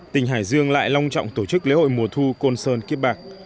tỉnh hải dương lại long trọng tổ chức lễ hội mùa thu côn sơn kiếp bạc